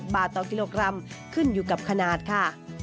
บาทต่อกิโลกรัมขึ้นอยู่กับขนาดค่ะ